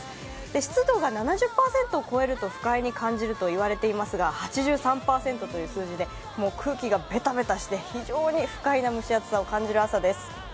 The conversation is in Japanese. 湿度が７０％を超えると不快に感じると言われていますが、８３％という数字で、空気がベタベタして非常に不快な蒸し暑さを感じる朝です。